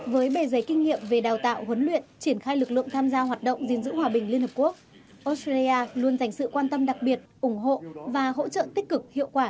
với bề giấy kinh nghiệm về đào tạo huấn luyện triển khai lực lượng tham gia hoạt động gìn giữ hòa bình liên hợp quốc australia luôn dành sự quan tâm đặc biệt ủng hộ và hỗ trợ tích cực hiệu quả